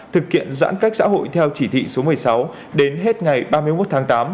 thực hiện giãn cách xã hội theo chỉ thị số một mươi sáu đến hết ngày ba mươi một tháng tám